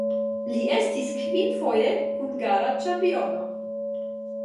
Li estis kvinfoje hungara ĉampiono.